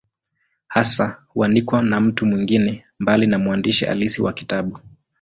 Hasa huandikwa na mtu mwingine, mbali na mwandishi halisi wa kitabu.